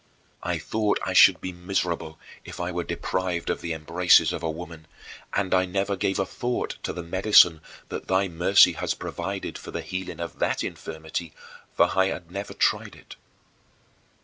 I thought I should be miserable if I were deprived of the embraces of a woman, and I never gave a thought to the medicine that thy mercy has provided for the healing of that infirmity, for I had never tried it.